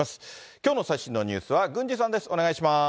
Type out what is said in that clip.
きょうの最新のニュースは郡司さんです。